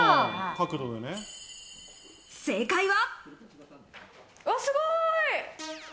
正解は。